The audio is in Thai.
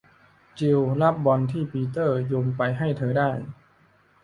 จิลล์รับบอลที่ปีเตอร์โยนไปให้เธอได้